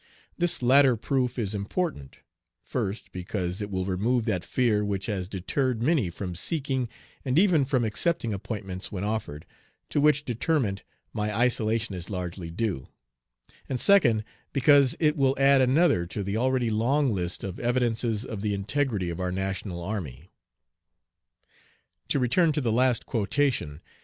This latter proof is important, first, because it will remove that fear which has deterred many from seeking, and even from accepting appointments when offered, to which determent my isolation is largely due; and second, because it will add another to the already long list of evidences of the integrity of our national army. To return to the last quotation.